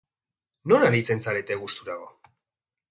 Non aritzen zarete gusturago?